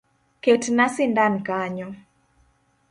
Ketna sindan kanyo